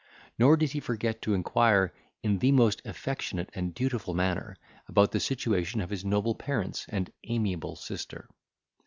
Nor did he forget to inquire, in the most affectionate and dutiful manner, about the situation of his noble parents and amiable sister.